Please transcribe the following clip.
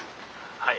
はい。